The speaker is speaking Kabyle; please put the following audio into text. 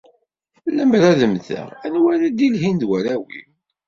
Lemmer ad mmteɣ, anwa ara d-ilhin d warraw-iw?